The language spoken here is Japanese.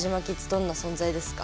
どんな存在ですか？